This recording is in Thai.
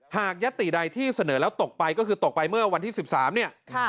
ยัตติใดที่เสนอแล้วตกไปก็คือตกไปเมื่อวันที่๑๓เนี่ย